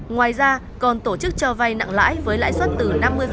ngoài ra còn tổ chức cho vay nặng lãi với lãi suất từ năm mươi